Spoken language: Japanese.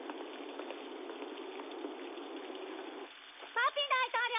パピ大統領。